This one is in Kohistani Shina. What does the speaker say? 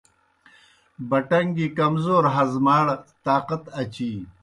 بٹَݩگ گیْ کمزور ہضماڑ طاقت اچِینیْ